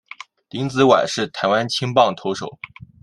林子崴是台湾青棒投手。